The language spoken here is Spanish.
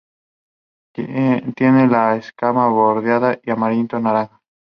Tiene las escamas bordeadas de amarillo-naranja.